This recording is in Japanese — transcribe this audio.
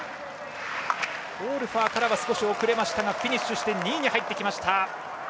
オールファーからは少し遅れたがフィニッシュして２位に入ってきました。